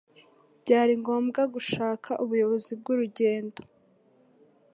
Byari ngombwa gushaka ubuyobozi bwurugendo.